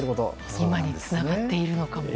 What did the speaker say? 今につながっているのかも。